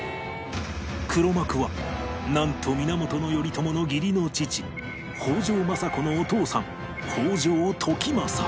黒幕はなんと源頼朝の義理の父北条政子のお父さん北条時政